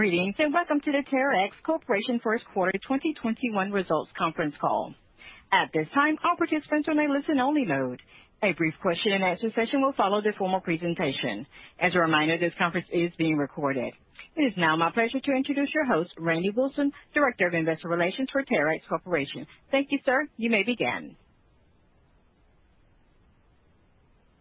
Greetings, and welcome to the Terex Corporation first quarter 2021 results conference call. At this time, all participants are in listen only mode. A brief question and answer session will follow the formal presentation. As a reminder, this conference is being recorded. It is now my pleasure to introduce your host, Randy Wilson, Director of Investor Relations for Terex Corporation. Thank you, sir. You may begin.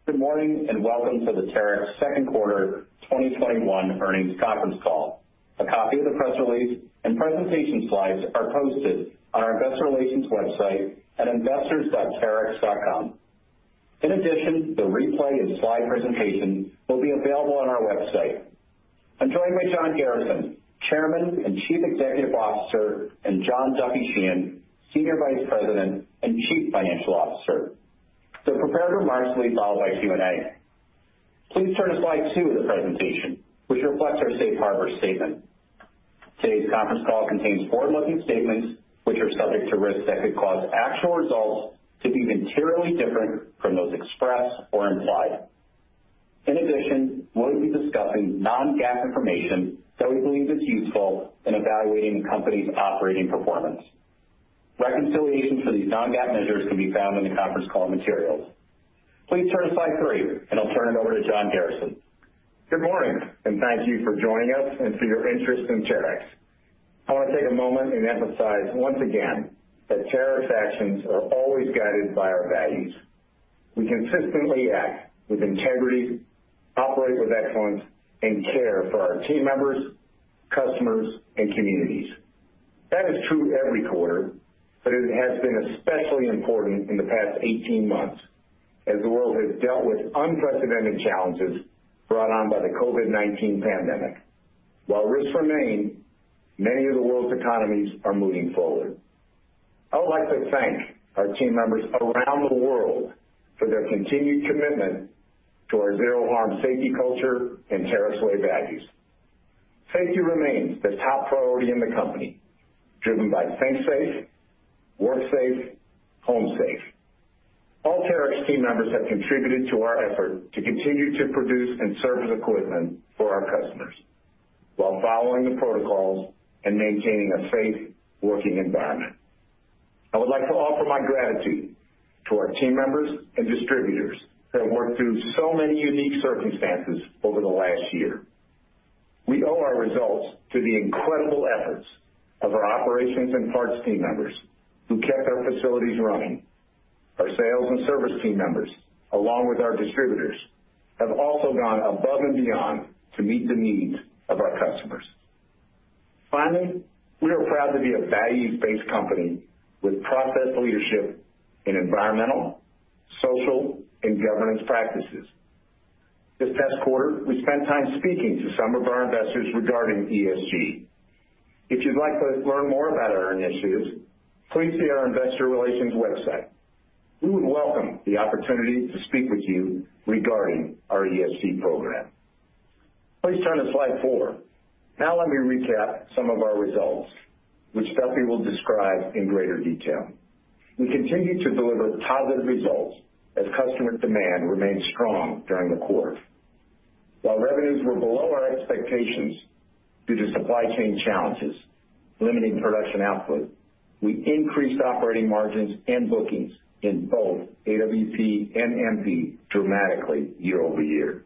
Good morning, and welcome to the Terex second quarter 2021 earnings conference call. A copy of the press release and presentation slides are posted on our investor relations website at investors.terex.com. In addition, the replay and slide presentation will be available on our website. I'm joined by John Garrison, Chairman and Chief Executive Officer, and John Duffy Sheehan, Senior Vice President and Chief Financial Officer. The prepared remarks will be followed by Q&A. Please turn to slide two of the presentation, which reflects our safe harbor statement. Today's conference call contains forward-looking statements, which are subject to risks that could cause actual results to be materially different from those expressed or implied. In addition, we'll be discussing non-GAAP information that we believe is useful in evaluating the company's operating performance. Reconciliation for these non-GAAP measures can be found in the conference call materials. Please turn to slide three, and I'll turn it over to John Garrison. Good morning. Thank you for joining us and for your interest in Terex. I want to take a moment and emphasize once again that Terex actions are always guided by our values. We consistently act with integrity, operate with excellence, and care for our team members, customers, and communities. That is true every quarter, but it has been especially important in the past 18 months as the world has dealt with unprecedented challenges brought on by the COVID-19 pandemic. While risks remain, many of the world's economies are moving forward. I would like to thank our team members around the world for their continued commitment to our zero harm safety culture and Terex Way values. Safety remains the top priority in the company, driven by think safe, work safe, home safe. All Terex team members have contributed to our effort to continue to produce and service equipment for our customers while following the protocols and maintaining a safe working environment. I would like to offer my gratitude to our team members and distributors that worked through so many unique circumstances over the last year. We owe our results to the incredible efforts of our operations and parts team members who kept our facilities running. Our sales and service team members, along with our distributors, have also gone above and beyond to meet the needs of our customers. Finally, we are proud to be a values-based company with process leadership in environmental, social, and governance practices. This past quarter, we spent time speaking to some of our investors regarding ESG. If you'd like to learn more about our initiatives, please see our investor relations website. We would welcome the opportunity to speak with you regarding our ESG program. Please turn to slide four. Let me recap some of our results, which Duffy will describe in greater detail. We continue to deliver positive results as customer demand remains strong during the quarter. While revenues were below our expectations due to supply chain challenges limiting production output, we increased operating margins and bookings in both AWP and MP dramatically year-over-year.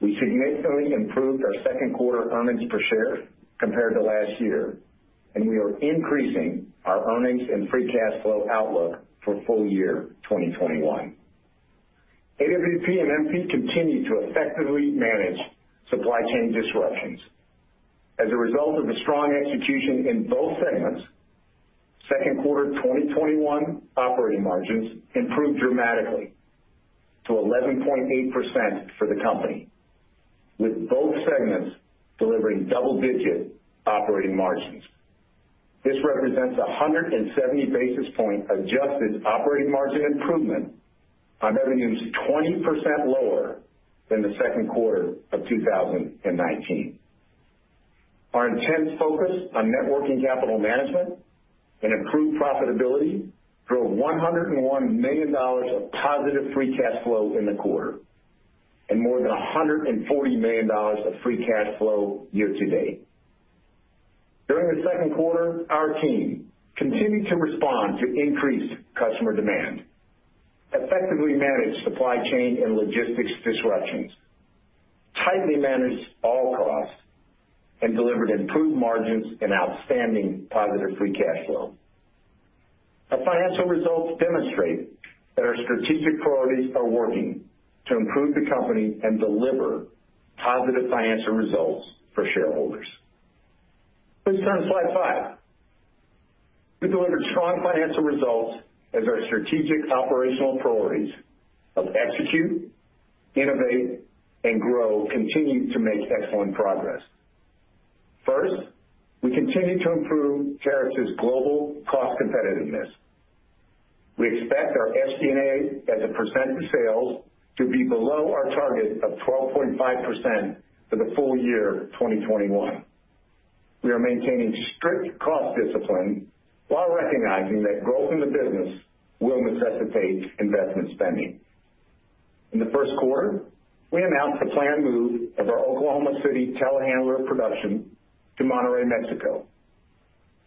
We significantly improved our second quarter EPS compared to last year, and we are increasing our earnings and free cash flow outlook for full year 2021. AWP and MP continue to effectively manage supply chain disruptions. As a result of the strong execution in both segments, second quarter 2021 operating margins improved dramatically to 11.8% for the company, with both segments delivering double-digit operating margins. This represents 170 basis point adjusted operating margin improvement on revenues 20% lower than the second quarter of 2019. Our intense focus on net working capital management and improved profitability drove $101 million of positive free cash flow in the quarter, and more than $140 million of free cash flow year to date. During the second quarter, our team continued to respond to increased customer demand, effectively managed supply chain and logistics disruptions, tightly managed all costs, and delivered improved margins and outstanding positive free cash flow. Our financial results demonstrate that our strategic priorities are working to improve the company and deliver positive financial results for shareholders. Please turn to slide five. We delivered strong financial results as our strategic operational priorities of execute, innovate, and grow continue to make excellent progress. First, we continue to improve Terex's global cost competitiveness. We expect our SG&A as a percent of sales to be below our target of 12.5% for the full year 2021. We are maintaining strict cost discipline while recognizing that growth in the business will necessitate investment spending. In the first quarter, we announced the planned move of our Oklahoma City telehandler production to Monterrey, Mexico.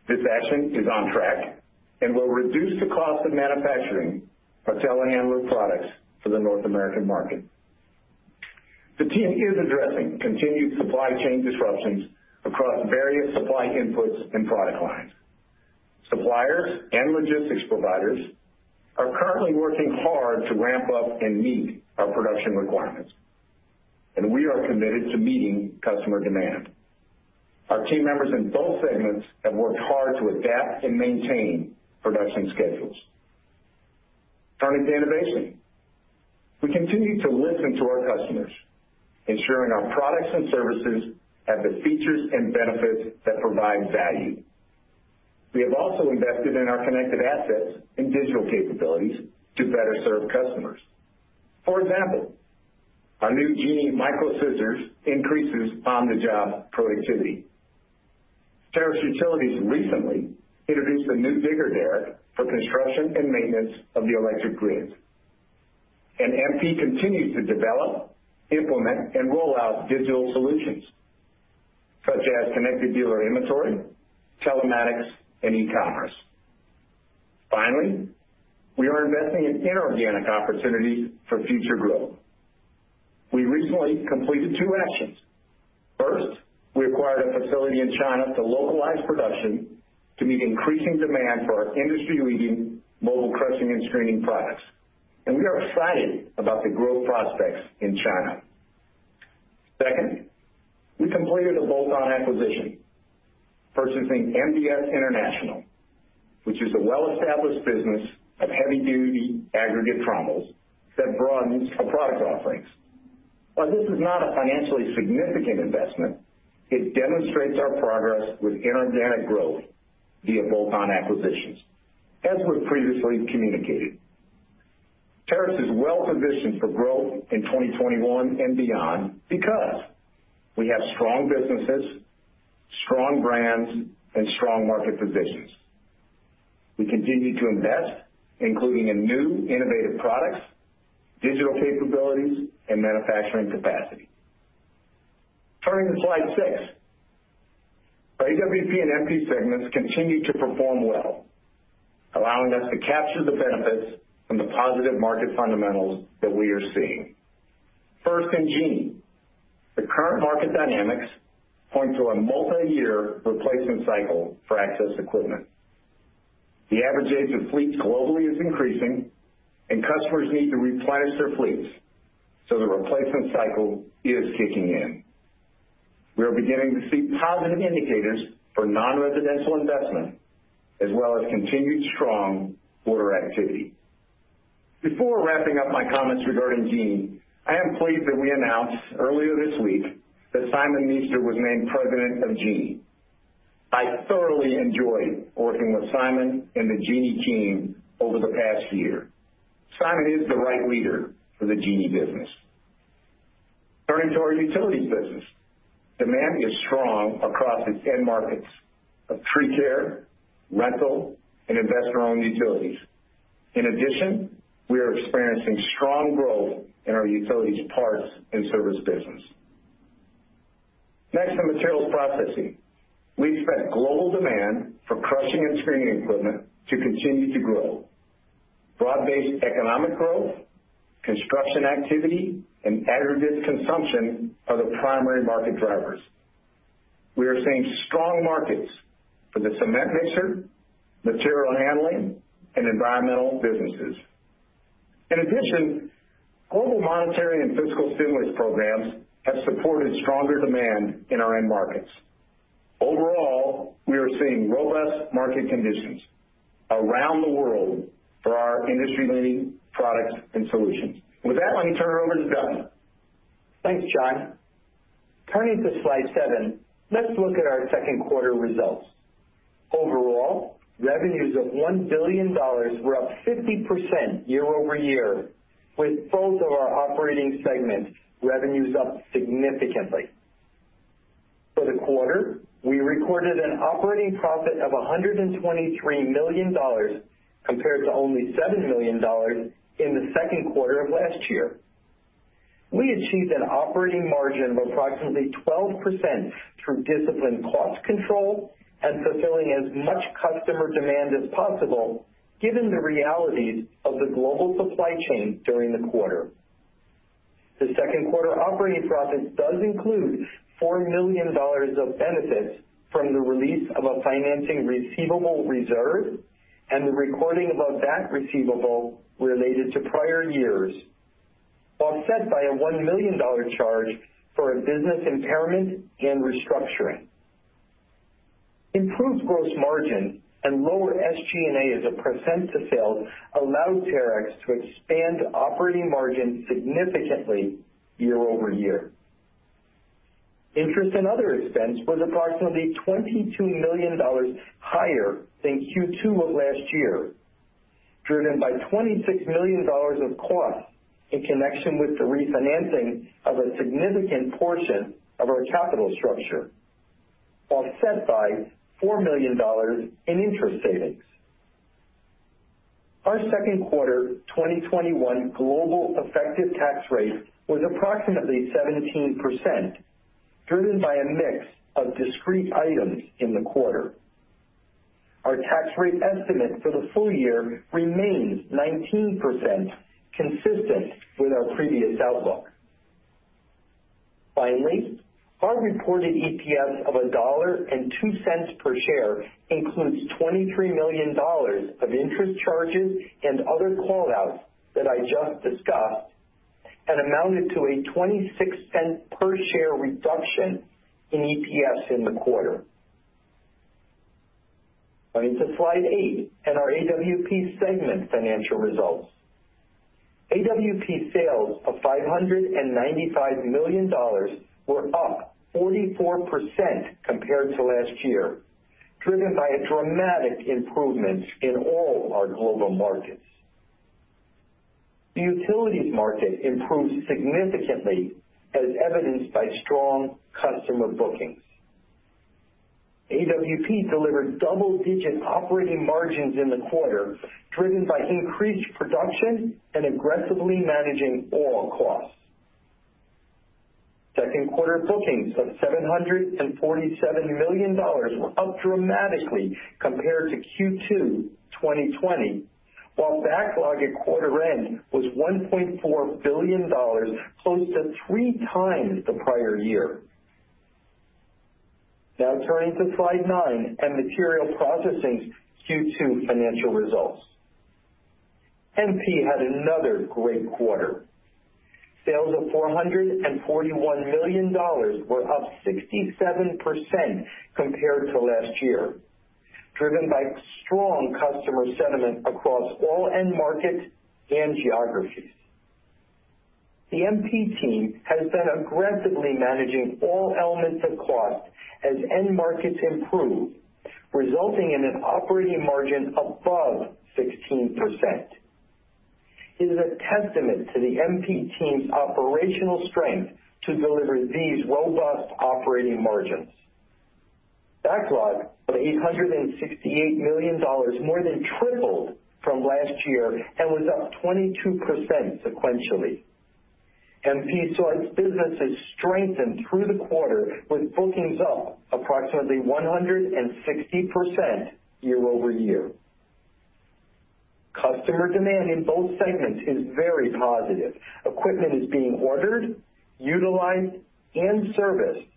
This action is on track and will reduce the cost of manufacturing our telehandler products for the North American market. The team is addressing continued supply chain disruptions across various supply inputs and product lines. Suppliers and logistics providers are currently working hard to ramp up and meet our production requirements, and we are committed to meeting customer demand. Our team members in both segments have worked hard to adapt and maintain production schedules. Turning to innovation. We continue to listen to our customers, ensuring our products and services have the features and benefits that provide value. We have also invested in our connected assets and digital capabilities to better serve customers. For example, our new Genie micro scissors increases on-the-job productivity. Terex Utilities recently introduced a new digger derrick for construction and maintenance of the electric grid. MP continues to develop, implement, and roll out digital solutions such as connected dealer inventory, telematics, and e-commerce. Finally, we are investing in inorganic opportunities for future growth. We recently completed two actions. First, we acquired a facility in China to localize production to meet increasing demand for our industry-leading mobile crushing and screening products, and we are excited about the growth prospects in China. Second, we completed a bolt-on acquisition, purchasing MDS International, which is a well-established business of heavy-duty aggregate trommels that broadens our product offerings. While this is not a financially significant investment, it demonstrates our progress with inorganic growth via bolt-on acquisitions, as we've previously communicated. Terex is well-positioned for growth in 2021 and beyond because we have strong businesses, strong brands, and strong market positions. We continue to invest, including in new innovative products, digital capabilities, and manufacturing capacity. Turning to slide six. Our AWP and MP segments continue to perform well, allowing us to capture the benefits from the positive market fundamentals that we are seeing. First, in Genie. The current market dynamics point to a multiyear replacement cycle for access equipment. The average age of fleets globally is increasing, and customers need to replenish their fleets, so the replacement cycle is kicking in. We are beginning to see positive indicators for non-residential investment, as well as continued strong order activity. Before wrapping up my comments regarding Genie, I am pleased that we announced earlier this week that Simon Meester was named President of Genie. I thoroughly enjoyed working with Simon and the Genie team over the past year. Simon is the right leader for the Genie business. Turning to our Utilities business. Demand is strong across its end markets of tree care, rental, and investor-owned utilities. In addition, we are experiencing strong growth in our utilities parts and service business. Next, to materials processing. We expect global demand for crushing and screening equipment to continue to grow. Broad-based economic growth, construction activity, and aggregate consumption are the primary market drivers. We are seeing strong markets for the cement mixer, material handling, and environmental businesses. In addition, global monetary and fiscal stimulus programs have supported stronger demand in our end markets. Overall, we are seeing robust market conditions around the world for our industry-leading products and solutions. With that, let me turn it over to Duffy. Thanks, John. Turning to slide seven, let's look at our second quarter results. Overall, revenues of $1 billion were up 50% year-over-year with both of our operating segments revenues up significantly. For the quarter, we recorded an operating profit of $123 million compared to only $7 million in the second quarter of last year. We achieved an operating margin of approximately 12% through disciplined cost control and fulfilling as much customer demand as possible given the realities of the global supply chain during the quarter. The second quarter operating profit does include $4 million of benefits from the release of a financing receivable reserve and the recording of a bad receivable related to prior years, offset by a $1 million charge for a business impairment and restructuring. Improved gross margin and lower SG&A as percentage of sales allowed Terex to expand operating margin significantly year-over-year. Interest and other expense was approximately $22 million higher than Q2 of last year, driven by $26 million of cost in connection with the refinancing of a significant portion of our capital structure, while offset by $4 million in interest savings. Our second quarter 2021 global effective tax rate was approximately 17%, driven by a mix of discrete items in the quarter. Our tax rate estimate for the full year remains 19%, consistent with our previous outlook. Finally, our reported EPS of $1.02 per share includes $23 million of interest charges and other call-outs that I just discussed, and amounted to a $0.26 per share reduction in EPS in the quarter. Turning to slide eight and our AWP segment financial results. AWP sales of $595 million were up 44% compared to last year, driven by a dramatic improvement in all our global markets. The utilities market improved significantly, as evidenced by strong customer bookings. AWP delivered double-digit operating margins in the quarter, driven by increased production and aggressively managing all costs. Second quarter bookings of $747 million were up dramatically compared to Q2 2020, while backlog at quarter end was $1.4 billion, close to three times the prior year. Turning to slide nine and material processing's Q2 financial results. MP had another great quarter. Sales of $441 million were up 67% compared to last year, driven by strong customer sentiment across all end markets and geographies. The MP team has been aggressively managing all elements of cost as end markets improve, resulting in an operating margin above 16%. It is a testament to the MP team's operational strength to deliver these robust operating margins. Backlog of $868 million more than tripled from last year and was up 22% sequentially. MP saw its businesses strengthen through the quarter with bookings up approximately 160% year-over-year. Customer demand in both segments is very positive. Equipment is being ordered, utilized, and serviced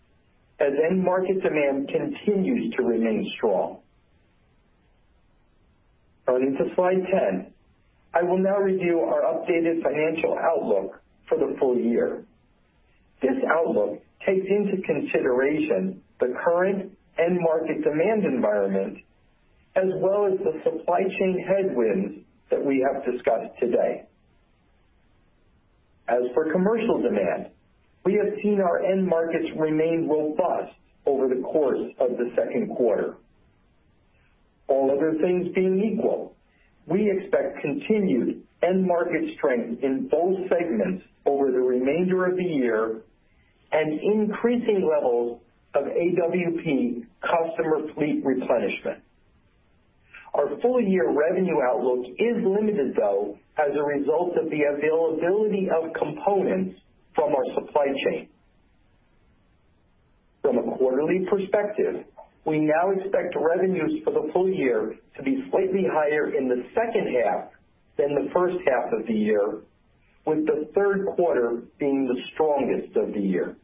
as end market demand continues to remain strong. Turning to slide 10. I will now review our updated financial outlook for the full year. This outlook takes into consideration the current end market demand environment, as well as the supply chain headwinds that we have discussed today. As for commercial demand, we have seen our end markets remain robust over the course of the second quarter. All other things being equal, we expect continued end market strength in both segments over the remainder of the year and increasing levels of AWP customer fleet replenishment. Our full-year revenue outlook is limited, though, as a result of the availability of components from our supply chain. From a quarterly perspective, we now expect revenues for the full year to be slightly higher in the second half than the first half of the year, with the third quarter being the strongest of the year.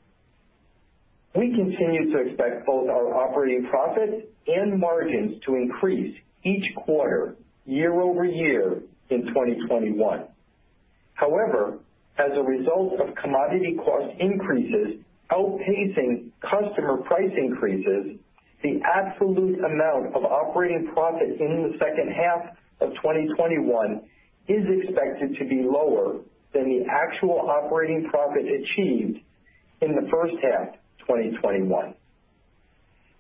We continue to expect both our operating profit and margins to increase each quarter year-over-year in 2021. However, as a result of commodity cost increases outpacing customer price increases, the absolute amount of operating profit in the second half of 2021 is expected to be lower than the actual operating profit achieved in the first half 2021.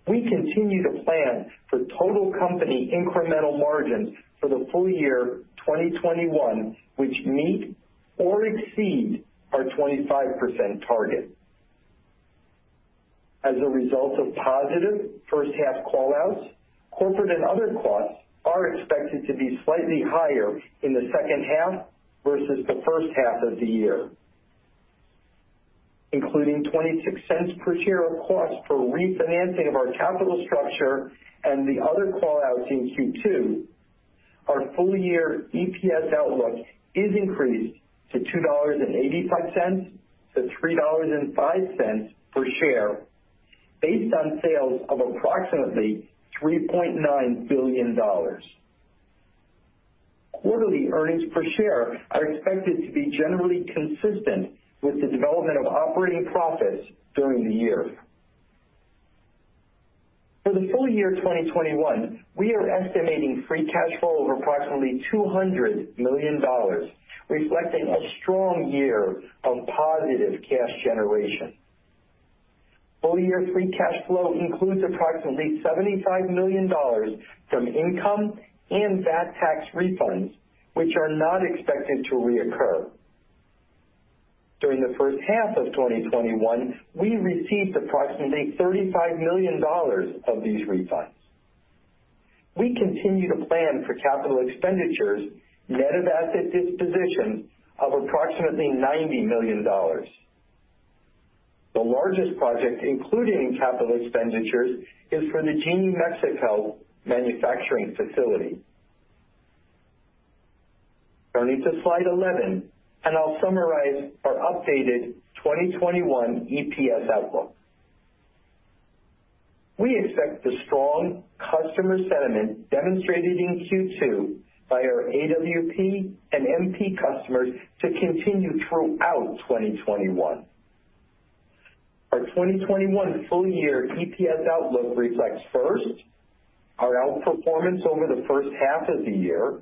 We continue to plan for total company incremental margins for the full year 2021, which meet or exceed our 25% target. As a result of positive first half call-outs, corporate and other costs are expected to be slightly higher in the second half versus the first half of the year. Including $0.26 per share of cost for refinancing of our capital structure and the other call-outs in Q2, our full-year EPS outlook is increased to $2.85-$3.05 per share, based on sales of approximately $3.9 billion. Quarterly earnings per share are expected to be generally consistent with the development of operating profits during the year. For the full year 2021, we are estimating free cash flow of approximately $200 million, reflecting a strong year of positive cash generation. Full-year free cash flow includes approximately $75 million from income and VAT tax refunds, which are not expected to reoccur. During the first half of 2021, we received approximately $35 million of these refunds. We continue to plan for capital expenditures, net of asset disposition, of approximately $90 million. The largest project including capital expenditures is for the Genie Mexico manufacturing facility. Turning to slide 11, I'll summarize our updated 2021 EPS outlook. We expect the strong customer sentiment demonstrated in Q2 by our AWP and MP customers to continue throughout 2021. Our 2021 full year EPS outlook reflects, first, our outperformance over the first half of the year.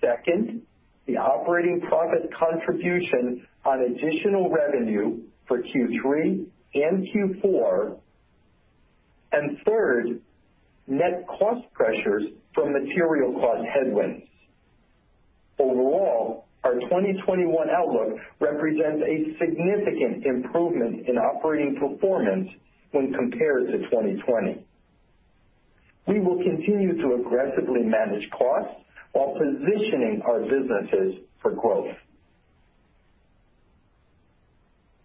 Second, the operating profit contribution on additional revenue for Q3 and Q4. Third, net cost pressures from material cost headwinds. Overall, our 2021 outlook represents a significant improvement in operating performance when compared to 2020. We will continue to aggressively manage costs while positioning our businesses for growth.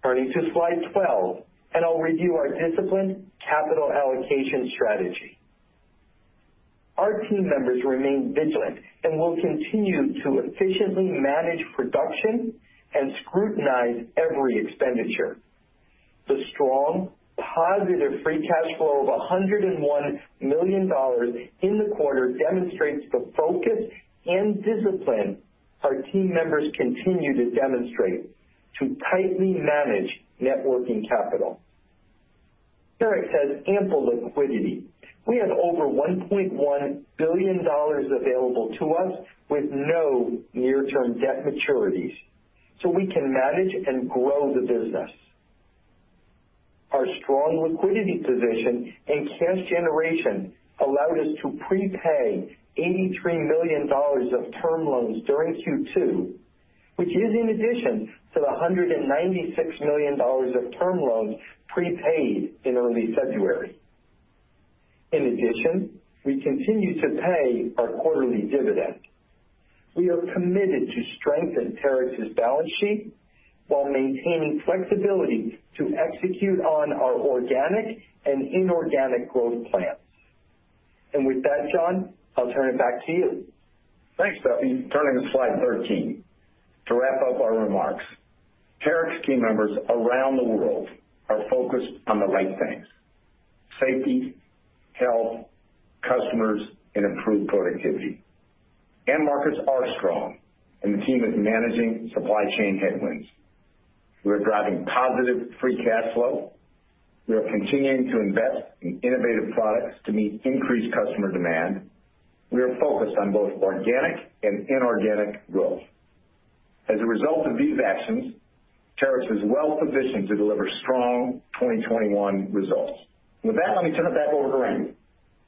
Turning to slide 12, I'll review our disciplined capital allocation strategy. Our team members remain vigilant and will continue to efficiently manage production and scrutinize every expenditure. The strong positive free cash flow of $101 million in the quarter demonstrates the focus and discipline our team members continue to demonstrate to tightly manage net working capital. Terex has ample liquidity. We have over $1.1 billion available to us with no near-term debt maturities, so we can manage and grow the business. Our strong liquidity position and cash generation allowed us to prepay $83 million of term loans during Q2, which is in addition to the $196 million of term loans prepaid in early February. In addition, we continue to pay our quarterly dividend. We are committed to strengthen Terex's balance sheet while maintaining flexibility to execute on our organic and inorganic growth plans. With that, John, I'll turn it back to you. Thanks, Duffy. Turning to slide 13 to wrap up our remarks. Terex team members around the world are focused on the right things: safety, health, customers, and improved productivity. End markets are strong, and the team is managing supply chain headwinds. We are driving positive free cash flow. We are continuing to invest in innovative products to meet increased customer demand. We are focused on both organic and inorganic growth. As a result of these actions, Terex is well-positioned to deliver strong 2021 results. With that, let me turn it back over to Randy.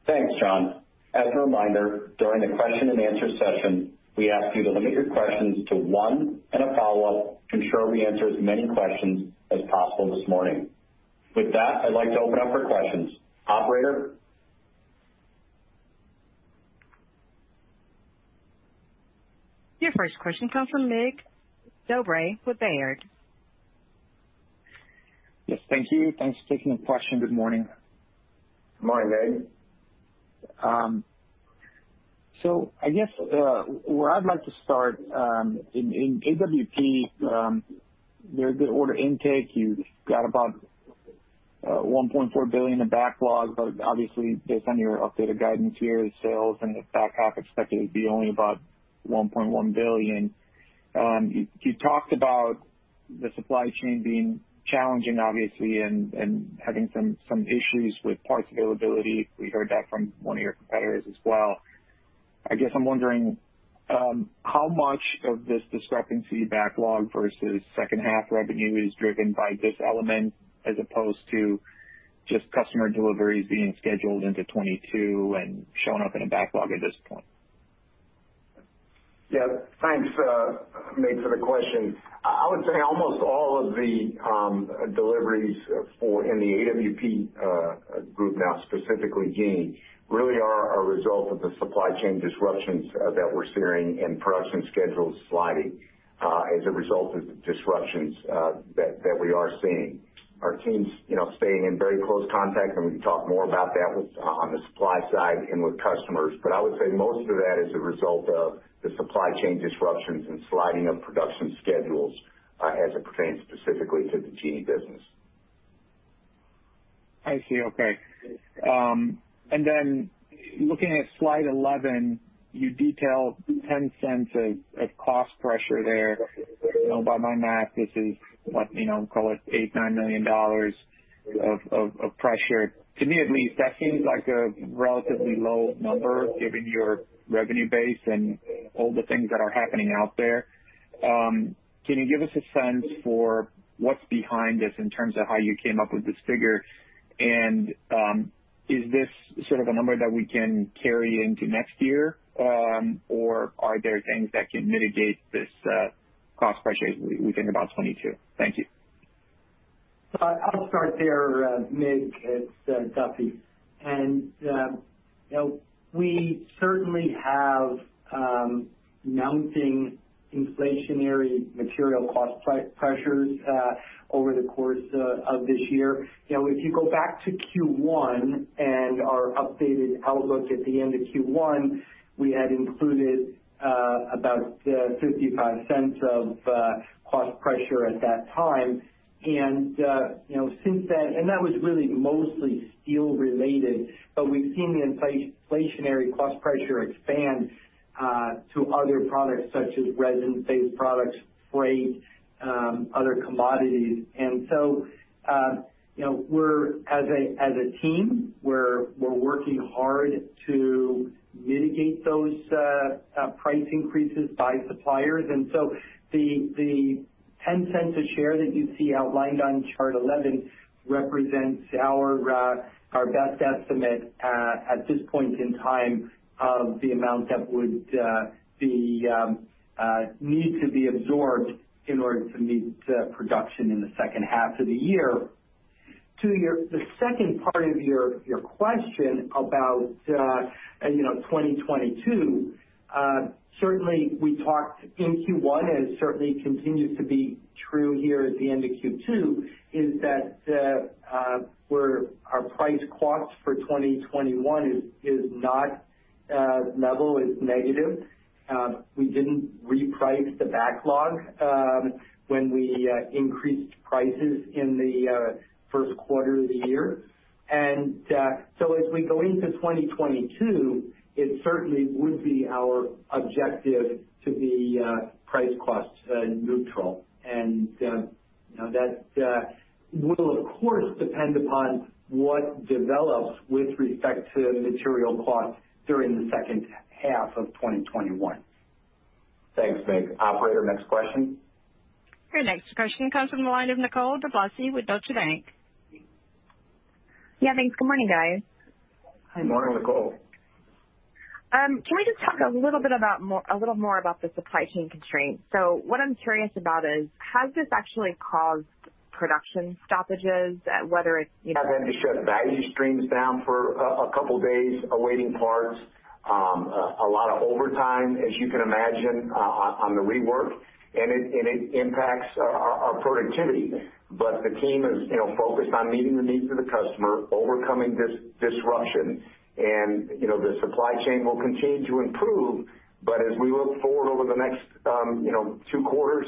Thanks, John. As a reminder, during the question and answer session, we ask you to limit your questions to one and a follow-up to ensure we answer as many questions as possible this morning. With that, I'd like to open up for questions. Operator? Your first question comes from Mig Dobre with Baird. Yes, thank you. Thanks for taking the question. Good morning. Good morning, Mig. I guess where I'd like to start, in AWP, very good order intake. You've got about $1.4 billion in backlog, but obviously based on your updated guidance here, sales in the back half expected to be only about $1.1 billion. You talked about the supply chain being challenging, obviously, and having some issues with parts availability. We heard that from one of your competitors as well. I guess I'm wondering how much of this discrepancy backlog versus second half revenue is driven by this element as opposed to just customer deliveries being scheduled into 2022 and showing up in a backlog at this point? Yeah. Thanks, Mig, for the question. I would say almost all of the deliveries in the AWP group now, specifically Genie, really are a result of the supply chain disruptions that we're seeing and production schedules sliding as a result of the disruptions that we are seeing. Our team's staying in very close contact, and we can talk more about that on the supply side and with customers. I would say most of that is a result of the supply chain disruptions and sliding of production schedules as it pertains specifically to the Genie business. I see. Okay. Looking at slide 11, you detailed $0.10 of cost pressure there. By my math, this is what, call it $8 million-$9 million of pressure. To me, at least, that seems like a relatively low number given your revenue base and all the things that are happening out there. Can you give us a sense for what's behind this in terms of how you came up with this figure? Is this sort of a number that we can carry into next year, or are there things that can mitigate this cost pressure within about 2022? Thank you. I'll start there, Mig. It's Duffy. We certainly have mounting inflationary material cost pressures over the course of this year. If you go back to Q1 and our updated outlook at the end of Q1, we had included about $0.55 of cost pressure at that time. That was really mostly steel-related, we've seen the inflationary cost pressure expand to other products such as resin-based products, freight, other commodities. As a team, we're working hard to mitigate those price increases by suppliers. The $0.10 a share that you see outlined on chart 11 represents our best estimate at this point in time of the amount that would need to be absorbed in order to meet the production in the second half of the year. To the second part of your question about 2022, certainly we talked in Q1, and it certainly continues to be true here at the end of Q2, is that our price cost for 2021 is not level, it's negative. We didn't reprice the backlog when we increased prices in the first quarter of the year. As we go into 2022, it certainly would be our objective to be price cost neutral. That will, of course, depend upon what develops with respect to material costs during the second half of 2021. Thanks, Mig. Operator, next question. Your next question comes from the line of Nicole DeBlase with Deutsche Bank. Yeah, thanks. Good morning, guys. Good morning, Nicole. Can we just talk a little more about the supply chain constraints? What I'm curious about is, has this actually caused production stoppages? We've had to shut value streams down for a couple of days, awaiting parts. A lot of overtime, as you can imagine, on the rework, and it impacts our productivity. The team is focused on meeting the needs of the customer, overcoming disruption. The supply chain will continue to improve, but as we look forward over the next two quarters,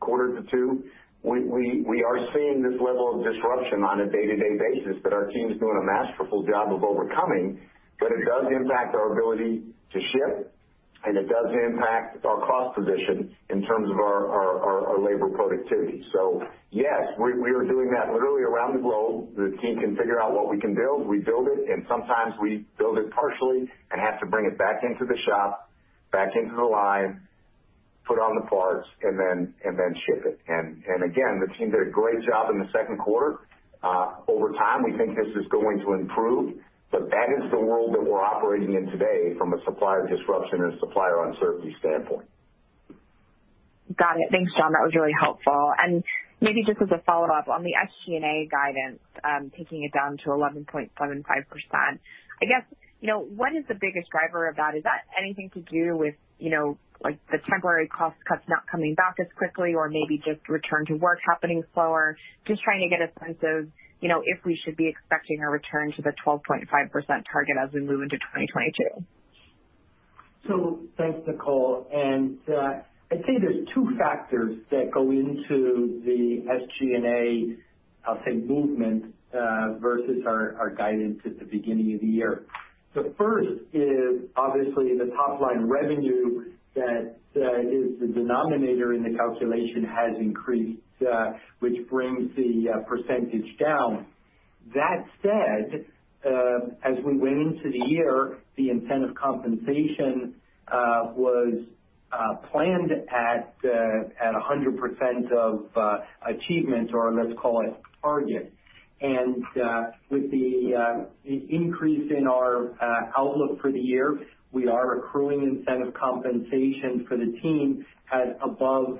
quarter to two, we are seeing this level of disruption on a day-to-day basis that our team is doing a masterful job of overcoming, but it does impact our ability to ship, and it does impact our cost position in terms of our labor productivity. Yes, we are doing that literally around the globe. The team can figure out what we can build, we build it, and sometimes we build it partially and have to bring it back into the shop, back into the line, put on the parts, and then ship it. Again, the team did a great job in the second quarter. Over time, we think this is going to improve, but that is the world that we're operating in today from a supply disruption and supplier uncertainty standpoint. Got it. Thanks, John. Maybe just as a follow-up on the SG&A guidance, taking it down to 11.75%. I guess, what is the biggest driver of that? Is that anything to do with the temporary cost cuts not coming back as quickly or maybe just return to work happening slower? Just trying to get a sense of if we should be expecting a return to the 12.5% target as we move into 2022. Thanks, Nicole. I'd say there's two factors that go into the SG&A, I'll say, movement versus our guidance at the beginning of the year. The first is obviously the top-line revenue that is the denominator in the calculation has increased, which brings the percentage down. That said, as we went into the year, the incentive compensation was planned at 100% of achievement, or let's call it target. With the increase in our outlook for the year, we are accruing incentive compensation for the team at above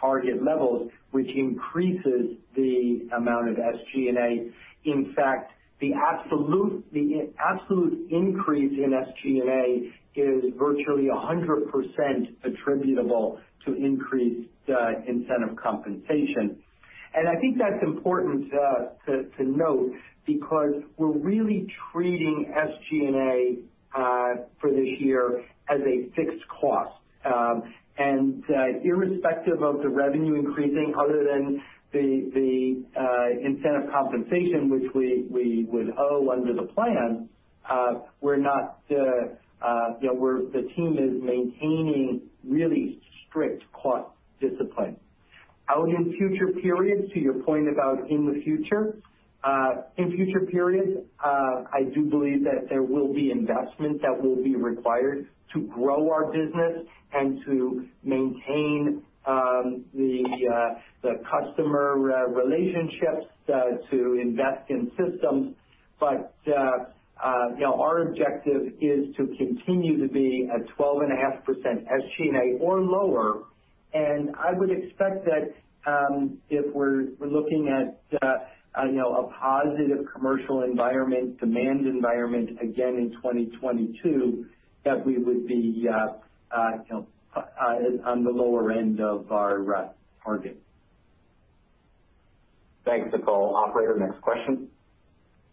target levels, which increases the amount of SG&A. In fact, the absolute increase in SG&A is virtually 100% attributable to increased incentive compensation. I think that's important to note because we're really treating SG&A for this year as a fixed cost. Irrespective of the revenue increasing, other than the incentive compensation which we would owe under the plan, the team is maintaining really strict cost discipline. In future periods, to your point about in the future, I do believe that there will be investment that will be required to grow our business and to maintain the customer relationships to invest in systems. Our objective is to continue to be a 12.5% SG&A or lower. I would expect that if we're looking at a positive commercial environment, demand environment again in 2022, that we would be on the lower end of our target. Thanks, Nicole. Operator, next question.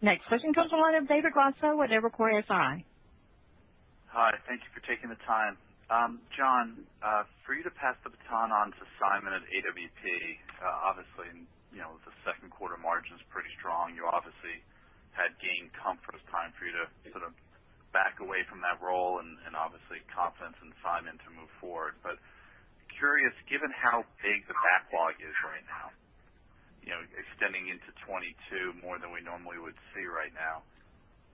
Next question comes the line of David Raso with Evercore ISI. Hi, thank you for taking the time. John, for you to pass the baton on to Simon at AWP, obviously, the second quarter margin's pretty strong. You obviously had gained comfort. It's time for you to sort of back away from that role, and obviously confidence in Simon to move forward. Curious, given how big the backlog is right now, extending into 2022 more than we normally would see right now.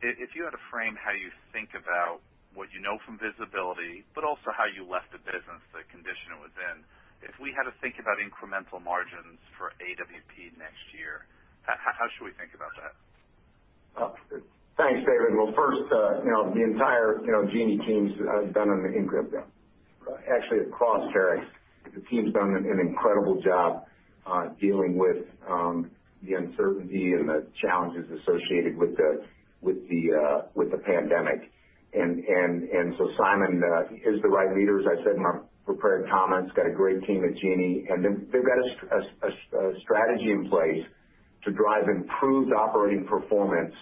If you had to frame how you think about what you know from visibility, but also how you left the business, the condition it was in. If we had to think about incremental margins for AWP next year, how should we think about that? Thanks, David. Well, first, actually, across Terex, the team's done an incredible job dealing with the uncertainty and the challenges associated with the pandemic. Simon is the right leader, as I said in my prepared comments, got a great team at Genie, and they've got a strategy in place to drive improved operating performance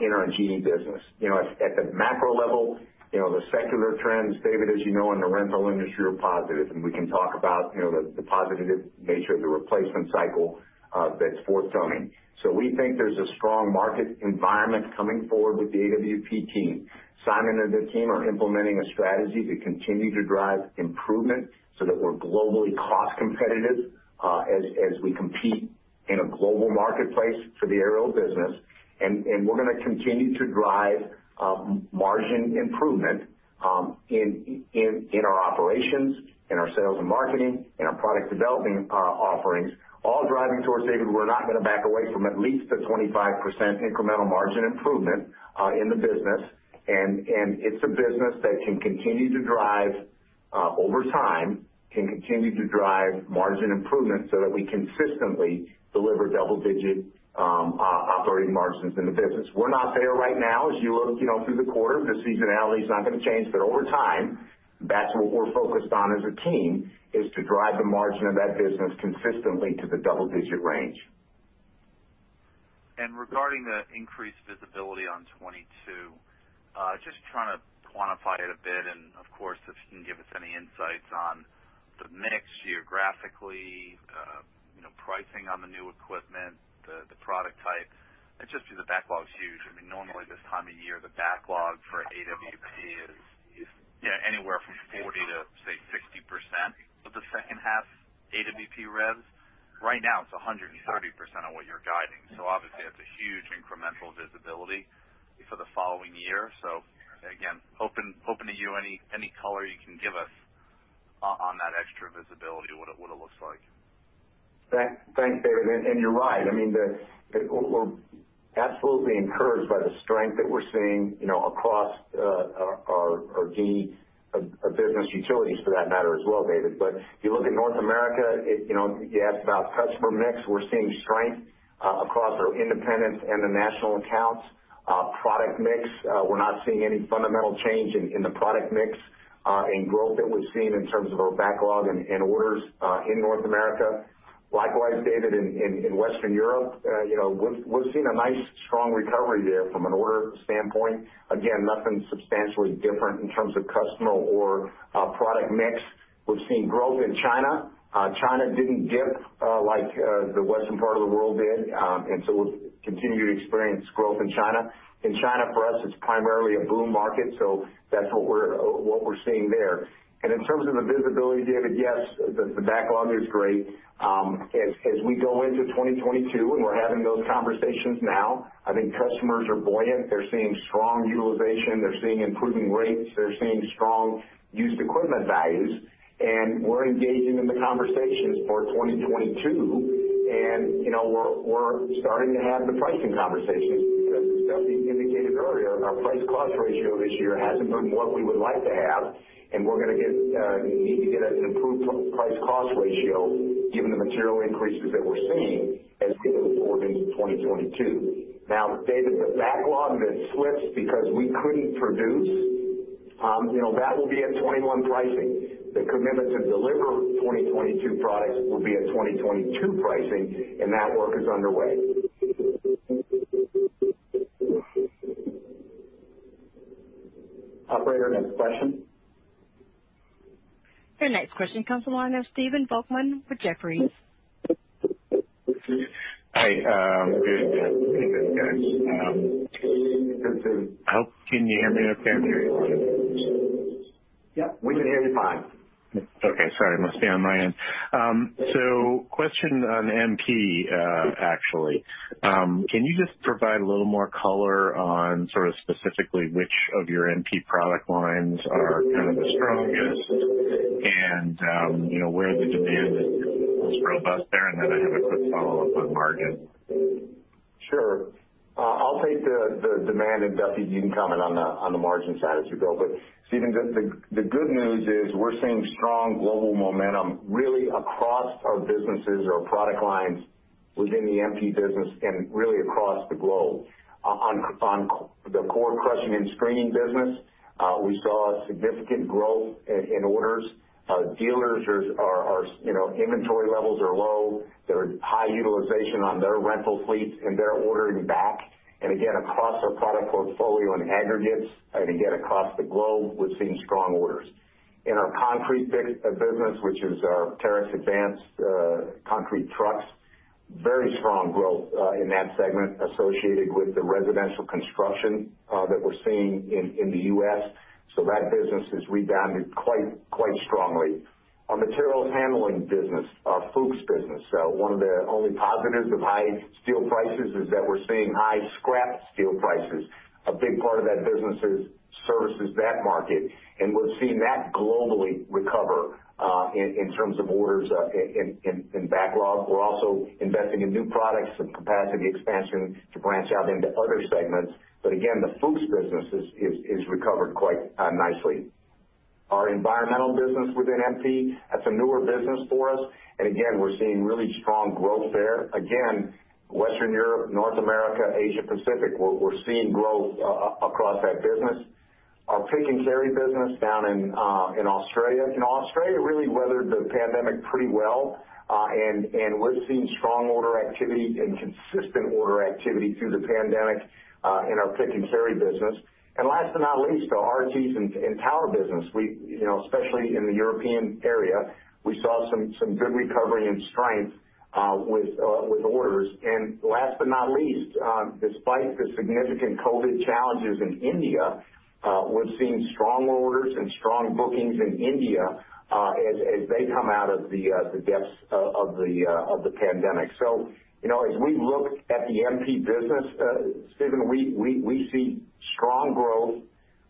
in our Genie business. At the macro level, the secular trends, David, as you know, in the rental industry, are positive, and we can talk about the positive nature of the replacement cycle that's forthcoming. We think there's a strong market environment coming forward with the AWP team. Simon and the team are implementing a strategy to continue to drive improvement so that we're globally cost competitive as we compete in a global marketplace for the aerial business. We're going to continue to drive margin improvement in our operations, in our sales and marketing, in our product developing offerings, all driving towards, David, we're not going to back away from at least a 25% incremental margin improvement in the business. It's a business that can continue to drive over time, can continue to drive margin improvement so that we consistently deliver double-digit operating margins in the business. We're not there right now. As you look through the quarter, the seasonality is not going to change. Over time, that's what we're focused on as a team, is to drive the margin of that business consistently to the double-digit range. Regarding the increased visibility on 2022, just trying to quantify it a bit, and of course, if you can give us any insights on the mix geographically, pricing on the new equipment, the product type. It's just because the backlog's huge. I mean, normally this time of year, the backlog for AWP is anywhere from 40% to, say, 60% of the second half AWP revs. Right now, it's 130% of what you're guiding. Obviously, that's a huge incremental visibility for the following year. Again, open to you, any color you can give us on that extra visibility, what it looks like. Thanks, David. You're right. We're absolutely encouraged by the strength that we're seeing across our Genie, our Terex Utilities for that matter as well, David. If you look at North America, you asked about customer mix. We're seeing strength across our independents and the national accounts. Product mix, we're not seeing any fundamental change in the product mix in growth that we've seen in terms of our backlog and orders in North America. Likewise, David, in Western Europe, we're seeing a nice strong recovery there from an order standpoint. Again, nothing substantially different in terms of customer or product mix. We're seeing growth in China. China didn't dip like the western part of the world did, we'll continue to experience growth in China. In China, for us, it's primarily a boom market, that's what we're seeing there. In terms of the visibility, David, yes, the backlog is great. As we go into 2022, and we're having those conversations now, I think customers are buoyant. They're seeing strong utilization. They're seeing improving rates. They're seeing strong used equipment values. We're engaging in the conversations for 2022, and we're starting to have the pricing conversations. Because as Duffy indicated earlier, our price cost ratio this year hasn't been what we would like to have, and we need to get an improved price cost ratio given the material increases that we're seeing as we go forward into 2022. Now, David, the backlog that slips because we couldn't produce, that will be at 2021 pricing. The commitment to deliver 2022 products will be at 2022 pricing, and that work is underway. Operator, next question. Your next question comes from the line of Stephen Volkmann with Jefferies. Hi. Can you hear me okay? Yeah, we can hear you fine. Okay. Sorry, must be on my end. Question on MP, actually. Can you just provide a little more color on sort of specifically which of your MP product lines are kind of the strongest and where the demand is robust there? I have a quick follow-up with margin. Sure. I'll take the demand, and Duffy, you can comment on the margin side as we go. Stephen, the good news is we're seeing strong global momentum really across our businesses, our product lines within the MP business and really across the globe. On the core crushing and screening business, we saw significant growth in orders. Dealers' inventory levels are low. There is high utilization on their rental fleets, and they're ordering back. Again, across our product portfolio in aggregates, and again, across the globe, we're seeing strong orders. In our concrete business, which is our Terex Advance concrete trucks, very strong growth in that segment associated with the residential construction that we're seeing in the U.S. That business has rebounded quite strongly. Our materials handling business, our Fuchs business, one of the only positives of high steel prices is that we're seeing high scrap steel prices. A big part of that business services that market, we're seeing that globally recover in terms of orders in backlog. We're also investing in new products and capacity expansion to branch out into other segments. Again, the Fuchs business has recovered quite nicely. Our environmental business within MP, that's a newer business for us. Again, we're seeing really strong growth there. Again, Western Europe, North America, Asia Pacific, we're seeing growth across that business. Our pick and carry business down in Australia. Australia really weathered the pandemic pretty well, and we're seeing strong order activity and consistent order activity through the pandemic in our pick and carry business. Last but not least, our RTs and tower business, especially in the European area, we saw some good recovery and strength with orders. Last but not least, despite the significant COVID challenges in India, we're seeing strong orders and strong bookings in India as they come out of the depths of the pandemic. As we look at the MP business, Stephen, we see strong growth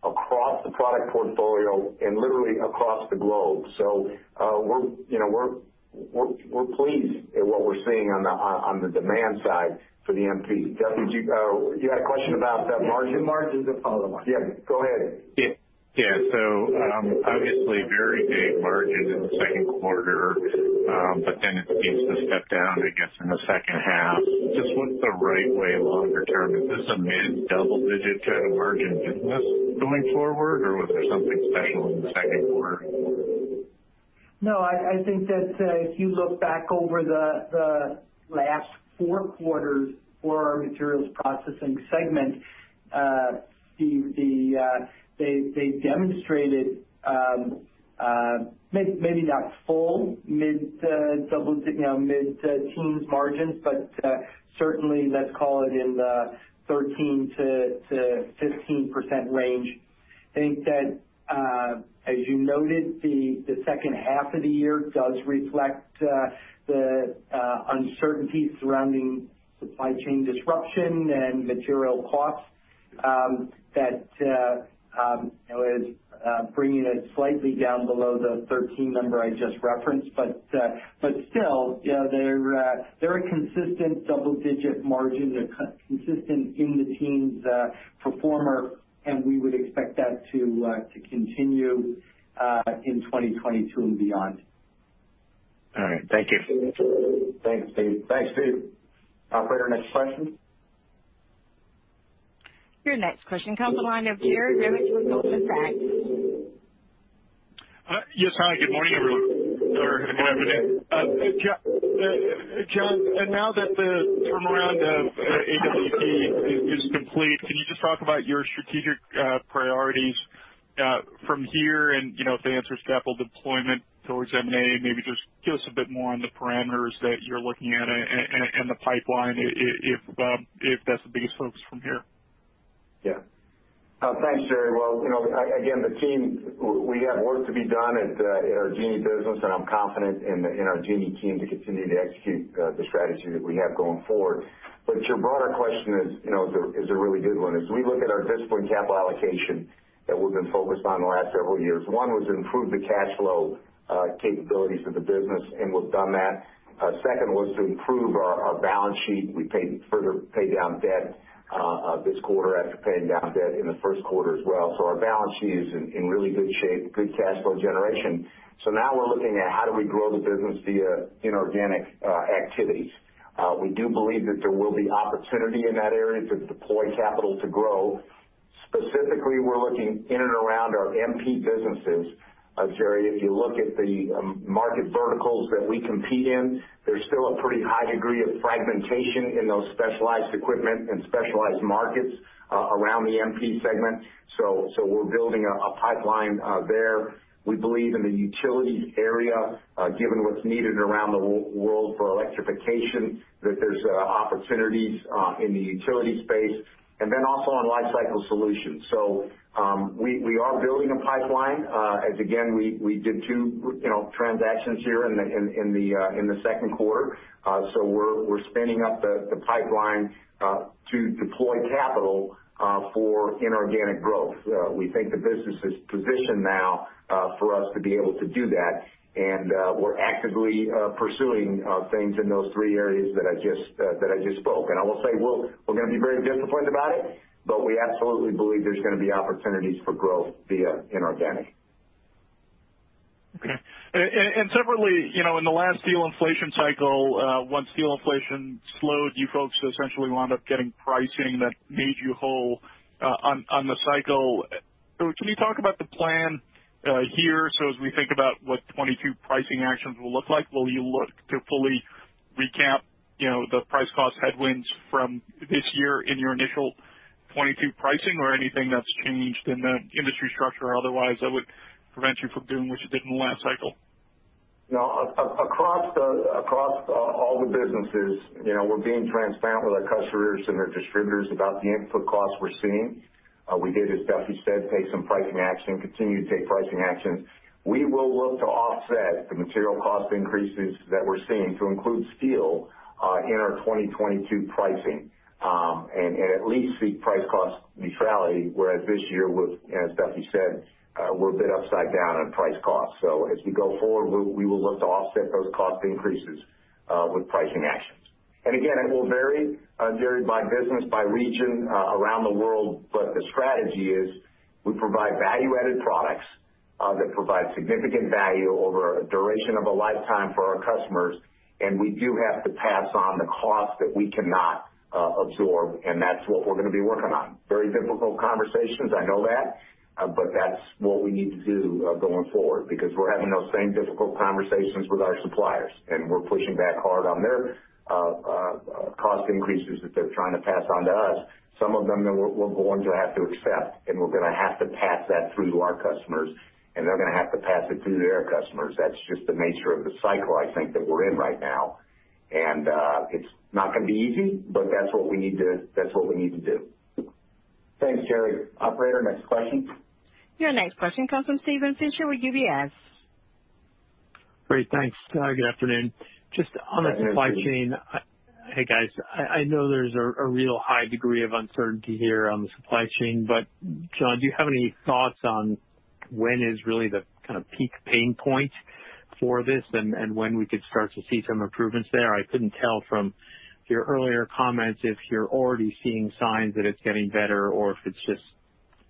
across the product portfolio and literally across the globe. We're pleased at what we're seeing on the demand side for the MP. Duffy, you had a question about the margin? Yeah, the margin. The follow the margin. Yeah, go ahead. Yeah. Obviously very big margin in the second quarter. It seems to step down, I guess, in the second half. Just what's the right way longer term? Is this a mid double-digit kind of margin business going forward, or was there something special in the second quarter? No, I think that if you look back over the last four quarters for our materials processing segment, they've demonstrated maybe not full mid-teens margins, but certainly let's call it in the 13%-15% range. I think that, as you noted, the second half of the year does reflect the uncertainty surrounding supply chain disruption and material costs. That is bringing it slightly down below the 13 number I just referenced. Still, they're a consistent double-digit margin. They're consistent in the teens performer, and we would expect that to continue in 2022 and beyond. All right. Thank you. Thanks, Steve. Operator, next question. Your next question comes on the line of Jerry Revich with Goldman Sachs. Yes, hi. Good morning, everyone. Good afternoon. John, now that the turnaround of AWP is complete, can you just talk about your strategic priorities from here and if the answer's capital deployment towards M&A, maybe just give us a bit more on the parameters that you're looking at and the pipeline, if that's the biggest focus from here. Thanks, Jerry. Again, the team, we have work to be done at our Genie business, and I'm confident in our Genie team to continue to execute the strategy that we have going forward. Your broader question is a really good one. As we look at our disciplined capital allocation that we've been focused on the last several years, one was to improve the cash flow capabilities of the business, and we've done that. Second was to improve our balance sheet. We further paid down debt this quarter after paying down debt in the first quarter as well. Our balance sheet is in really good shape, good cash flow generation. Now we're looking at how do we grow the business via inorganic activities. We do believe that there will be opportunity in that area to deploy capital to grow. Specifically, we're looking in and around our MP businesses. Jerry, if you look at the market verticals that we compete in, there's still a pretty high degree of fragmentation in those specialized equipment and specialized markets around the MP segment. We're building a pipeline there. We believe in the utilities area, given what's needed around the world for electrification, that there's opportunities in the utility space, and then also on lifecycle solutions. We are building a pipeline. As again, we did two transactions here in the second quarter. We're spinning up the pipeline to deploy capital for inorganic growth. We think the business is positioned now for us to be able to do that. We're actively pursuing things in those three areas that I just spoke. I will say, we're going to be very disciplined about it, but we absolutely believe there's going to be opportunities for growth via inorganic. Okay. Separately, in the last steel inflation cycle, once steel inflation slowed, you folks essentially wound up getting pricing that made you whole on the cycle. Can you talk about the plan here? As we think about what 2022 pricing actions will look like, will you look to fully recap the price cost headwinds from this year in your initial 2022 pricing, or anything that's changed in the industry structure or otherwise that would prevent you from doing what you did in the last cycle? No. Across all the businesses, we're being transparent with our customers and their distributors about the input costs we're seeing. We did, as Duffy said, take some pricing action, continue to take pricing actions. We will look to offset the material cost increases that we're seeing to include steel in our 2022 pricing, and at least see price cost neutrality, whereas this year, as Duffy said, we're a bit upside down on price cost. As we go forward, we will look to offset those cost increases with pricing actions. Again, it will vary by business, by region around the world. The strategy is we provide value-added products that provide significant value over a duration of a lifetime for our customers, and we do have to pass on the cost that we cannot absorb, and that's what we're going to be working on. Very difficult conversations, I know that, but that's what we need to do going forward, because we're having those same difficult conversations with our suppliers, and we're pushing back hard on their cost increases that they're trying to pass on to us. Some of them that we're going to have to accept, and we're going to have to pass that through to our customers, and they're going to have to pass it through to their customers. That's just the nature of the cycle, I think, that we're in right now. It's not going to be easy, but that's what we need to do. Thanks, Jerry. Operator, next question. Your next question comes from Steven Fisher with UBS. Great. Thanks. Good afternoon. Just on the supply chain. Hey, guys. I know there's a real high degree of uncertainty here on the supply chain, but John, do you have any thoughts on when is really the kind of peak pain point for this and when we could start to see some improvements there? I couldn't tell from your earlier comments if you're already seeing signs that it's getting better or if it's just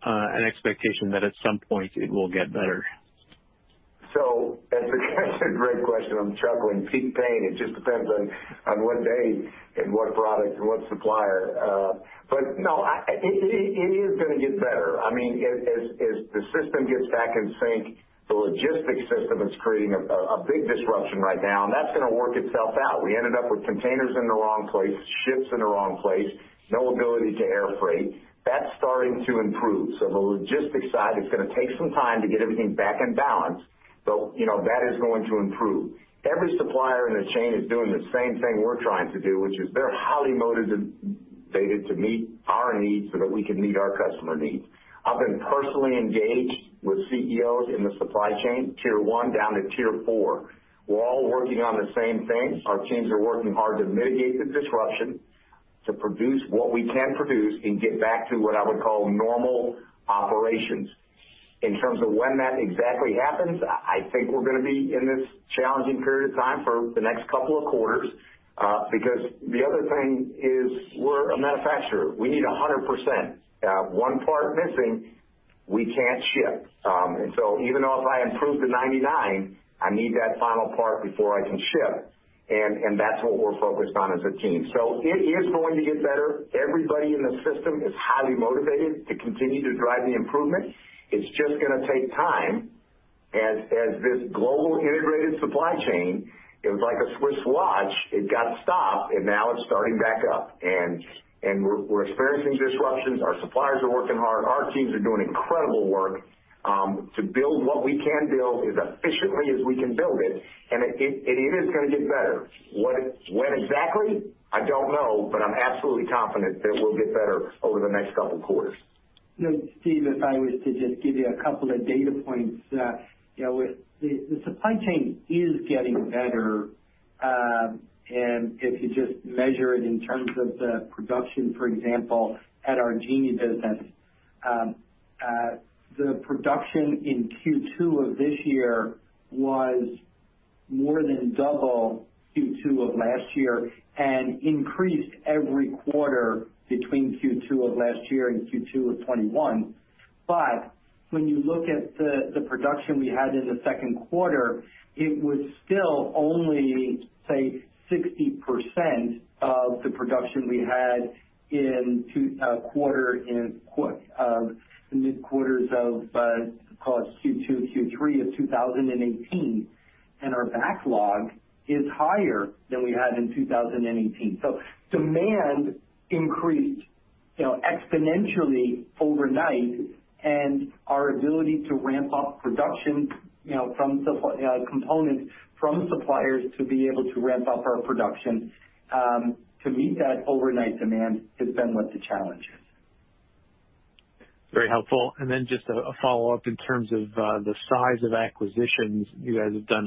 an expectation that at some point it will get better. That's a great question. I'm chuckling. Peak pain. It just depends on what day and what product and what supplier. No, it is going to get better. As the system gets back in sync, the logistics system is creating a big disruption right now, and that's going to work itself out. We ended up with containers in the wrong place, ships in the wrong place, no ability to air freight. That's starting to improve. The logistics side is going to take some time to get everything back in balance. That is going to improve. Every supplier in the chain is doing the same thing we're trying to do, which is they're highly motivated to meet our needs so that we can meet our customer needs. I've been personally engaged with CEOs in the supply chain, tier one down to tier four. We're all working on the same thing. Our teams are working hard to mitigate the disruption, to produce what we can produce, and get back to what I would call normal operations. In terms of when that exactly happens, I think we're going to be in this challenging period of time for the next couple quarters. The other thing is we're a manufacturer. We need 100%. one part missing, we can't ship. Even though if I improve to 99, I need that final part before I can ship. That's what we're focused on as a team. It is going to get better. Everybody in the system is highly motivated to continue to drive the improvement. It's just going to take time. This global integrated supply chain, it was like a Swiss watch. It got stopped, and now it's starting back up. We're experiencing disruptions. Our suppliers are working hard. Our teams are doing incredible work to build what we can build as efficiently as we can build it. It is going to get better. When exactly? I don't know, but I'm absolutely confident that we'll get better over the next couple quarters. Steve, if I was to just give you a couple of data points. The supply chain is getting better. If you just measure it in terms of the production, for example, at our Genie. The production in Q2 of this year was more than double Q2 of last year and increased every quarter between Q2 of last year and Q2 of 2021. When you look at the production we had in the second quarter, it was still only, say, 60% of the production we had in the quarters of, call it Q2, Q3 of 2018. Our backlog is higher than we had in 2018. Demand increased exponentially overnight, and our ability to ramp up production from components from suppliers to be able to ramp up our production to meet that overnight demand has been what the challenge is. Very helpful. Just a follow-up in terms of the size of acquisitions. You guys have done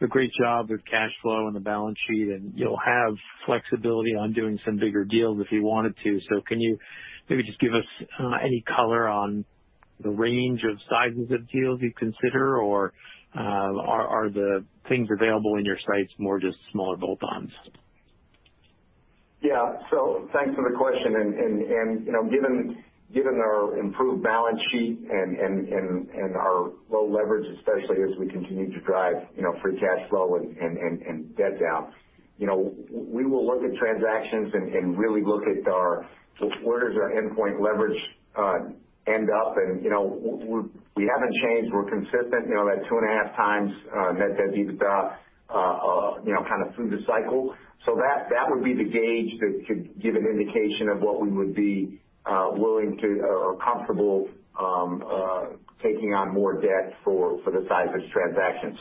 a great job with cash flow and the balance sheet, and you'll have flexibility on doing some bigger deals if you wanted to. Can you maybe just give us any color on the range of sizes of deals you'd consider, or are the things available in your sites more just smaller bolt-ons? Thanks for the question. Given our improved balance sheet and our low leverage, especially as we continue to drive free cash flow and debt down, we will look at transactions and really look at where does our endpoint leverage end up. We haven't changed. We're consistent on that 2.5xtimes net debt EBITDA kind of through the cycle. That would be the gauge that could give an indication of what we would be willing to or comfortable taking on more debt for the size of this transaction.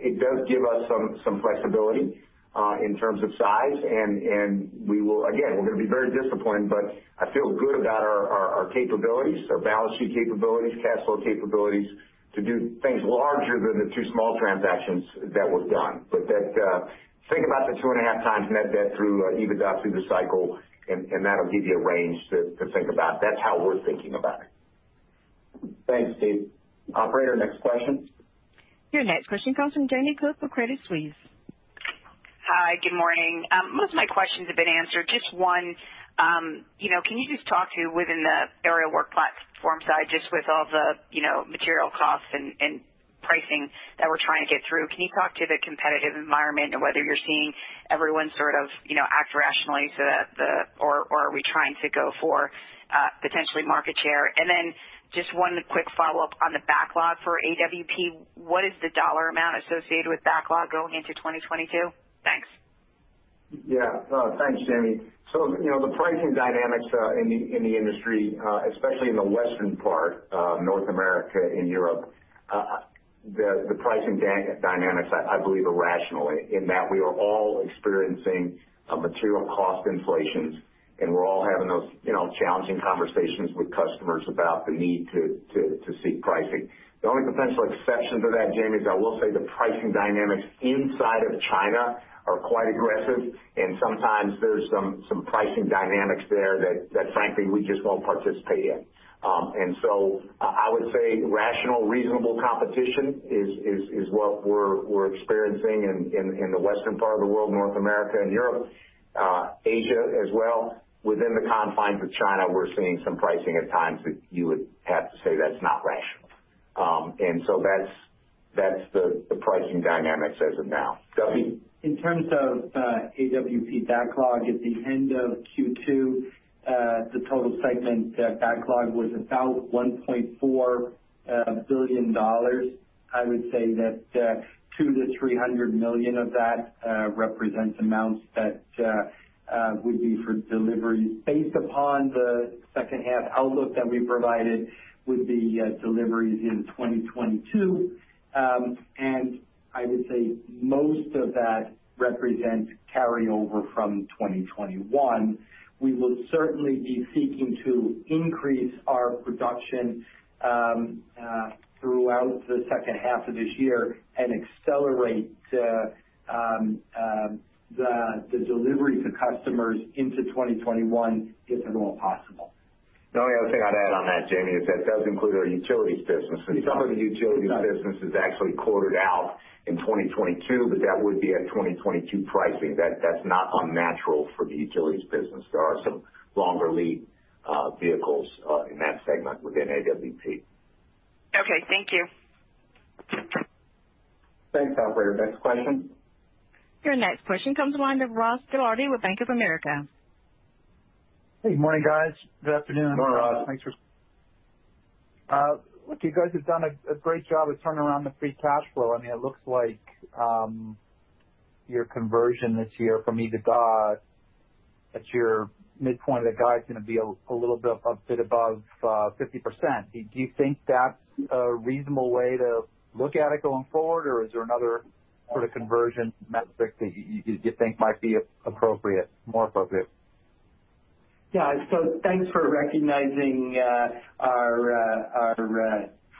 It does give us some flexibility in terms of size. Again, we're going to be very disciplined, but I feel good about our capabilities, our balance sheet capabilities, cash flow capabilities to do things larger than the two small transactions that were done. Think about the 2.5x net debt through EBITDA through the cycle, and that'll give you a range to think about. That's how we're thinking about it. Thanks, Steve. Operator, next question. Your next question comes from Jamie Cook for Credit Suisse. Hi. Good morning. Most of my questions have been answered. Just one. Can you just talk to, within the Aerial Work Platforms side, just with all the material costs and pricing that we're trying to get through, can you talk to the competitive environment and whether you're seeing everyone sort of act rationally, or are we trying to go for potentially market share? Just one quick follow-up on the backlog for AWP. What is the dollar amount associated with backlog going into 2022? Thanks. Yeah. Thanks, Jamie. The pricing dynamics in the industry, especially in the western part of North America and Europe, the pricing dynamics, I believe, are rational in that we are all experiencing material cost inflations, and we're all having those challenging conversations with customers about the need to seek pricing. The only potential exception to that, Jamie, is I will say the pricing dynamics inside of China are quite aggressive, and sometimes there's some pricing dynamics there that, frankly, we just won't participate in. I would say rational, reasonable competition is what we're experiencing in the western part of the world, North America and Europe. Asia as well. Within the confines of China, we're seeing some pricing at times that you would have to say that's not rational. That's the pricing dynamics as of now. Duffy? In terms of AWP backlog, at the end of Q2, the total segment backlog was about $1.4 billion. I would say that $200 million-$300 million of that represents amounts that would be for deliveries based upon the second half outlook that we provided would be deliveries in 2022. I would say most of that represents carryover from 2021. We will certainly be seeking to increase our production throughout the second half of this year and accelerate the delivery to customers into 2021 if at all possible. The only other thing I'd add on that, Jamie, is that does include our utilities business. Some of the utilities business is actually quartered out in 2022, but that would be at 2022 pricing. That's not unnatural for the utilities business. There are some longer lead vehicles in that segment within AWP. Okay. Thank you. Thanks. Operator, next question. Your next question comes from the line of Ross Gilardi with Bank of America. Hey, good morning, guys. Good afternoon. Good morning, Ross. Look, you guys have done a great job of turning around the free cash flow. It looks like your conversion this year from EBITDA at your midpoint of the guide is going to be a little bit above 50%. Do you think that's a reasonable way to look at it going forward, or is there another sort of conversion metric that you think might be more appropriate? Yeah. Thanks for recognizing our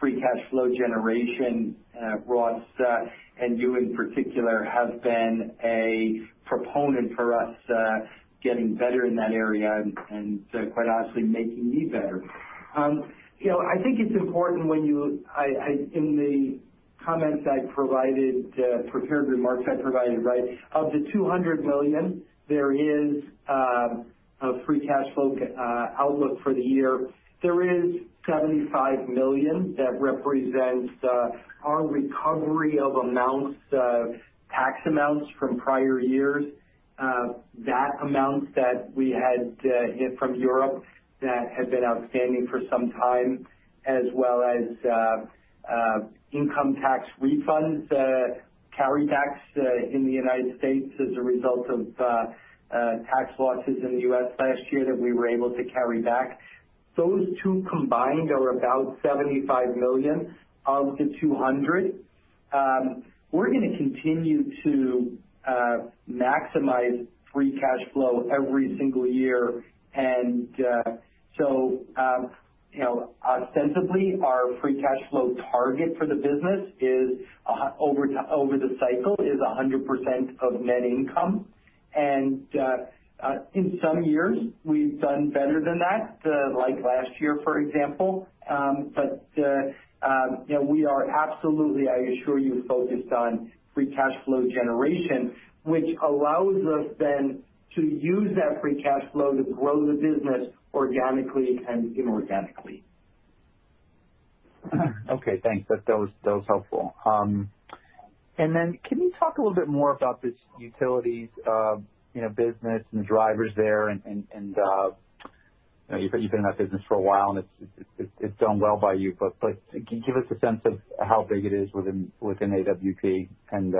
free cash flow generation, Ross. You, in particular, have been a proponent for us getting better in that area and quite honestly, making me better. I think it's important, in the comments I provided, prepared remarks I provided, of the $200 million, there is a free cash flow outlook for the year. There is $75 million that represents our recovery of amounts of tax amounts from prior years. That amount that we had hit from Europe that had been outstanding for some time, as well as income tax refunds, carrybacks in the United States as a result of tax losses in the U.S. last year that we were able to carry back. Those two combined are about $75 million of the $200. We're going to continue to maximize free cash flow every single year. Ostensibly, our free cash flow target for the business over the cycle is 100% of net income. In some years, we've done better than that, like last year, for example. We are absolutely, I assure you, focused on free cash flow generation, which allows us then to use that free cash flow to grow the business organically and inorganically. Okay, thanks. That was helpful. Can you talk a little bit more about this utilities business and the drivers there? You've been in that business for a while, and it's done well by you, but can you give us a sense of how big it is within AWP and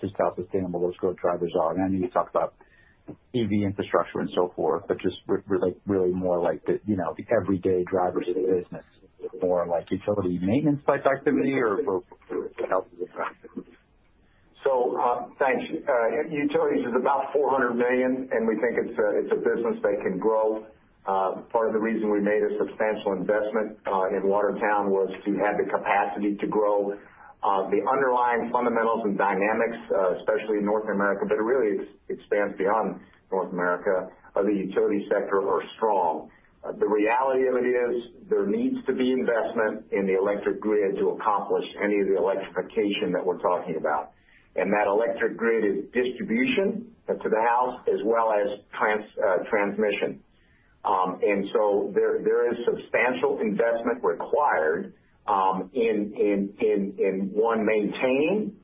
just how sustainable those growth drivers are? I know you talked about EV infrastructure and so forth, but just really more like the everyday drivers of the business, more like utility maintenance type activity or what else is it driving? Thanks. Terex Utilities is about $400 million, and we think it's a business that can grow. Part of the reason we made a substantial investment in Watertown was to have the capacity to grow. The underlying fundamentals and dynamics, especially in North America, but it really expands beyond North America, of the utility sector are strong. The reality of it is there needs to be investment in the electric grid to accomplish any of the electrification that we're talking about. That electric grid is distribution to the house as well as transmission. There is substantial investment required in, one, maintain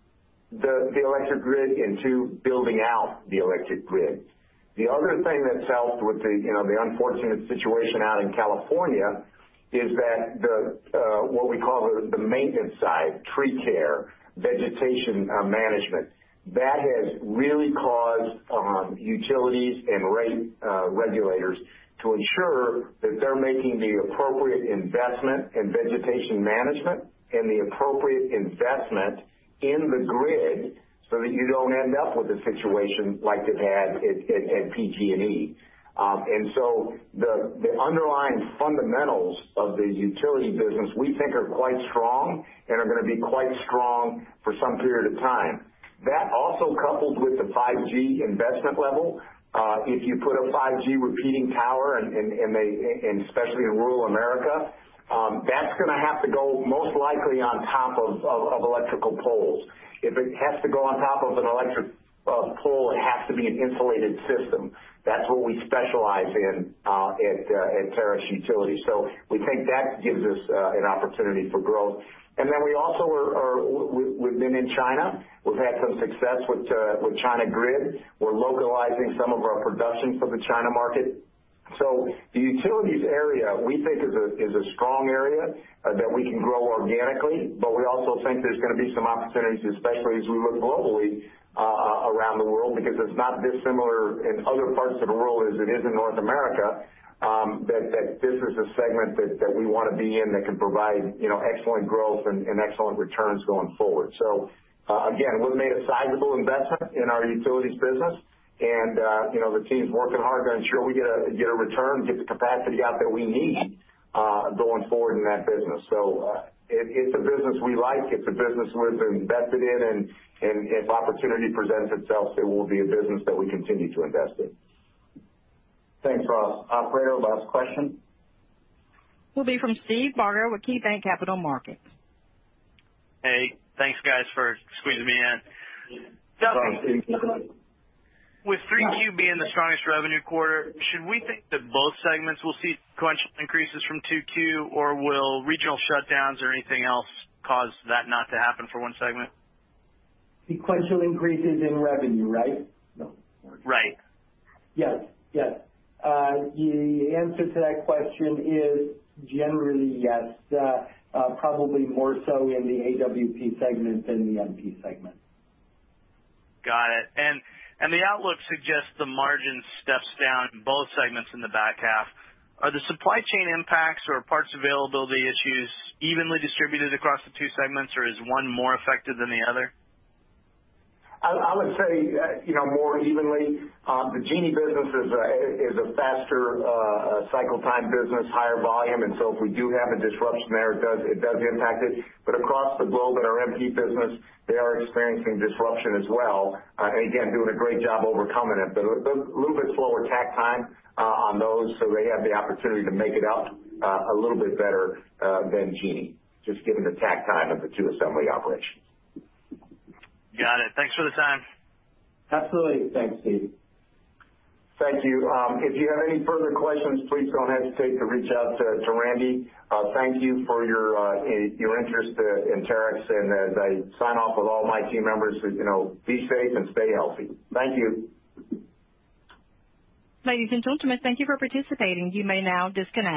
the electric grid, and two, building out the electric grid. The other thing that's helped with the unfortunate situation out in California is that the, what we call the maintenance side, tree care, vegetation management. That has really caused utilities and rate regulators to ensure that they're making the appropriate investment in vegetation management and the appropriate investment in the grid so that you don't end up with a situation like they've had at PG&E. The underlying fundamentals of the utility business we think are quite strong and are going to be quite strong for some period of time. That also coupled with the 5G investment level. If you put a 5G repeating tower, and especially in rural America, that's going to have to go most likely on top of electrical poles. If it has to go on top of an electric pole, it has to be an insulated system. That's what we specialize in at Terex Utilities. We think that gives us an opportunity for growth. We've been in China. We've had some success with State Grid. We're localizing some of our production for the China market. The utilities area, we think is a strong area that we can grow organically. We also think there's going to be some opportunities, especially as we look globally around the world, because it's not dissimilar in other parts of the world as it is in North America, that this is a segment that we want to be in that can provide excellent growth and excellent returns going forward. Again, we've made a sizable investment in our utilities business, and the team's working hard to ensure we get a return, get the capacity out that we need going forward in that business. It's a business we like, it's a business we're invested in, and if opportunity presents itself, it will be a business that we continue to invest in. Thanks, Ross. Operator, last question. Will be from Steve Barger with KeyBanc Capital Markets. Hey, thanks guys for squeezing me in. No problem. With 3Q being the strongest revenue quarter, should we think that both segments will see sequential increases from 2Q or will regional shutdowns or anything else cause that not to happen for one segment? Sequential increases in revenue, right? Right. Yes. The answer to that question is generally yes. Probably more so in the AWP segment than the MP segment. Got it. The outlook suggests the margin steps down in both segments in the back half. Are the supply chain impacts or parts availability issues evenly distributed across the two segments, or is one more affected than the other? I would say more evenly. The Genie business is a faster cycle time business, higher volume, and so if we do have a disruption there, it does impact it. Across the globe in our MP business, they are experiencing disruption as well. Again, doing a great job overcoming it, but a little bit slower takt time on those, so they have the opportunity to make it up a little bit better than Genie, just given the takt time of the two assembly operations. Got it. Thanks for the time. Absolutely. Thanks, Steve. Thank you. If you have any further questions, please don't hesitate to reach out to Randy. Thank you for your interest in Terex, and as I sign off with all my team members, be safe and stay healthy. Thank you. Ladies and gentlemen, thank you for participating. You may now disconnect.